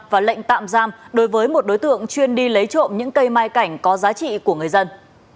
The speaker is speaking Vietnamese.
và lệnh tạm giam đối với một đối tượng chuyên đi lấy trộm những cây mai cảnh có giá trị của người dân